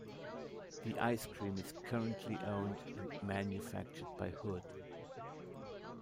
The ice cream is currently owned and manufactured by Hood.